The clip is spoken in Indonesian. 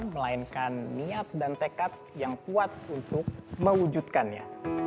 melainkan niat dan tekad yang kuat untuk mewujudkannya